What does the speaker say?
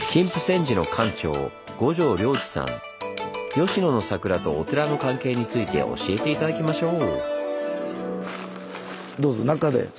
吉野の桜とお寺の関係について教えて頂きましょう！